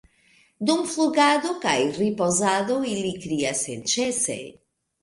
Dum flugado kaj ripozado ili krias senĉese.